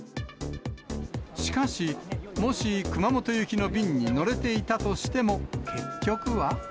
しかし、もし熊本行きの便に乗れていたとしても、結局は。